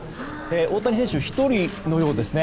大谷選手、１人のようですね。